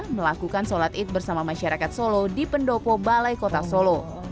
melakukan sholat id bersama masyarakat solo di pendopo balai kota solo